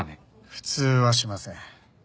普通はしません。